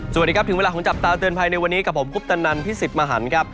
สวัสดีครับถึงเวลาของจับตาเตือนภัยในวันนี้กับผมคุปตนันพี่สิทธิ์มหันครับ